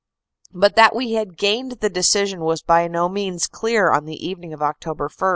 But that we had gained the decision was by no means clear on the evening of Oct. 1.